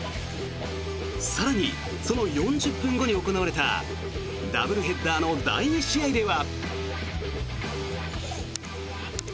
更にその４０分後に行われたダブルヘッダーの第２試合では。